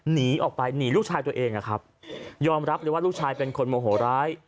หนีออกไปหนีลูกชายตัวเองอะครับยอมรับเลยว่าลูกชายเป็นคนโมโหร้าย